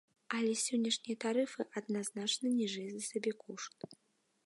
Але сённяшнія тарыфы адназначна ніжэй за сабекошт.